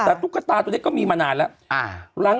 แต่ตุ๊กตาตัวนี้ก็มีมานานแล้ว